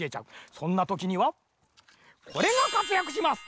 そんなときにはこれがかつやくします。